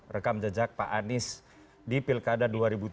rekam jejak pak anies di pilkada dua ribu tujuh belas